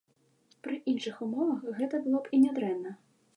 Пры іншых умовах гэта было б і нядрэнна.